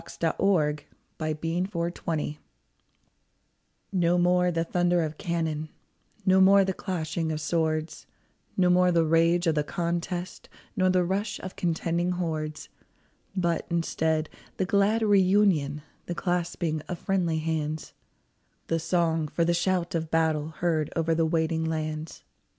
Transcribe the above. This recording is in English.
" "NO MORE THE THUNDER OF CANNON" No more the thunder of cannon, No more the clashing of swords, No more the rage of the contest, Nor the rush of contending hordes ; But, instead, the glad reunion, The clasping of friendly hands, The song, for the shout of battle, Heard over the waiting lands.